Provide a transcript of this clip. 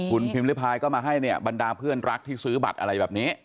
คุณพิมพิพายก็มาให้เนี่ยบรรดาเพื่อนรักที่ซื้อบัตรอะไรแบบนี้